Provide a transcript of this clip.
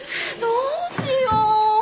どうしよう。